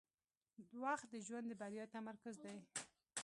• وخت د ژوند د بریا تمرکز دی.